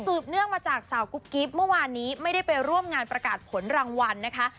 เนื่องมาจากสาวกุ๊กกิ๊บเมื่อวานนี้ไม่ได้ไปร่วมงานประกาศผลรางวัลนะคะ